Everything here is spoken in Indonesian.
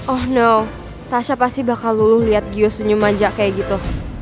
oh no tasha pasti bakal luluh lihat gio senyum aja kayak gitu